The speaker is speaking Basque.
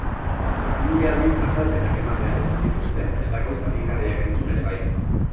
Mila aldiz azalpenak eman behar izan dituzte eta gauza mingarriak entzun ere bai.